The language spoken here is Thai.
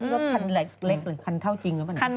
รูปคันเล็กเลยคันเท่าจริงหรือเปล่า